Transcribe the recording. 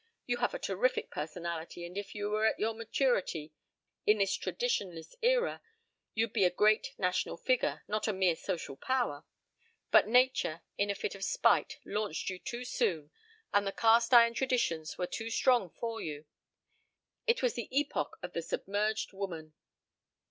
You have a terrific personality and if you were at your maturity in this traditionless era you'd be a great national figure, not a mere social power. But nature in a fit of spite launched you too soon and the cast iron traditions were too strong for you. It was the epoch of the submerged woman."